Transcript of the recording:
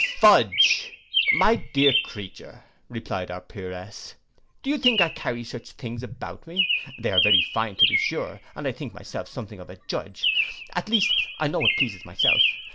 Fudge! 'My dear creature,' replied our Peeress, 'do you think I carry such things about me? Though they are very fine to be sure, and I think myself something of a judge; at least I know what pleases myself.